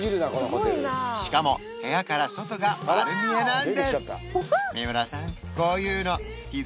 しかも部屋から外が丸見えなんです